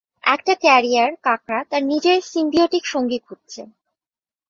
একটা ক্যারিয়ার কাঁকড়া তার নিজের সিম্বিওটিক সঙ্গী খুঁজছে।